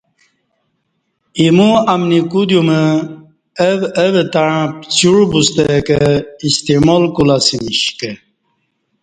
ایمو امنی کدیوم او او تݩع پڅیوع بوستہ کہ استعمال کولہ اسمش کہ